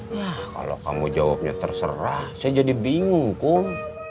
yah kalau kamu jawabnya terserah saya jadi bingung kum